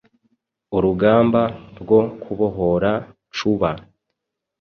urugamba rwo kubohora cuba